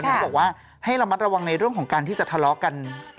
เขาบอกว่าให้ระมัดระวังในเรื่องของการที่จะทะเลาะกัน